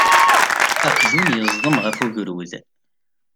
Aqjun yeẓdem af ugrud.